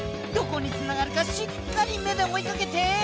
どこにつながるかしっかり目でおいかけて。